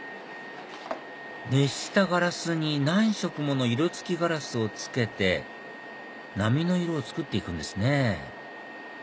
熱したガラスに何色もの色付きガラスを付けて波の色を作って行くんですね